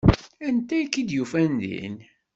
Anta i k-id-yufan din?